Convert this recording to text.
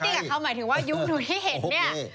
หนูไม่ตีกับเขาหมายถึงว่ายุ่งหนูที่เห็นนี่